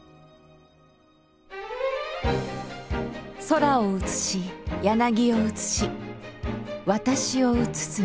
空を映し柳を映し私を映す水鏡。